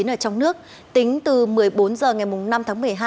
ở trong nước tính từ một mươi bốn h ngày năm tháng một mươi hai